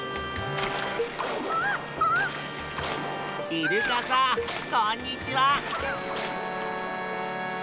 イルカさんこんにちは。